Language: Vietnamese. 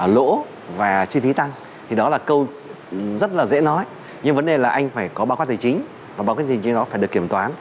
lỗ và chi phí tăng thì đó là câu rất là dễ nói nhưng vấn đề là anh phải có báo cáo tài chính và báo cáo gì đó phải được kiểm toán